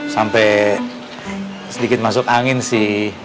sampai sedikit masuk angin sih